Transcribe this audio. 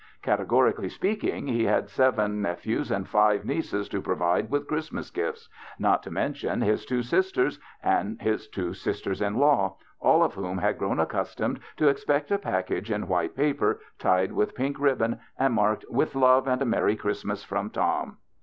Categorically speaking, he had seven nephews and five nieces to provide with Christmas gifts, not to mention his two sisters and his two sisters in law, all of whom had grown accustomed to expect a package in white paper tied with pink rib bon and marked "with love and a merry Christmas from Tom."